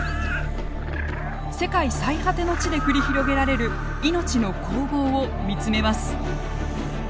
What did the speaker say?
世界最果ての地で繰り広げられる命の攻防を見つめます。